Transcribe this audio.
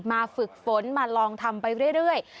ฝึกฝนมาลองทำไปเรื่อย